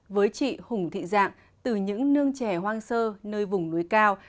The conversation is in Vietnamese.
với chị hùng thị dạng từ những nương trẻ hoang sơ nơi vùng núi cao